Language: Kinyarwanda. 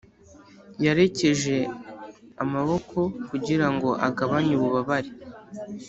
yerekeje amaboko kugira ngo agabanye ububabare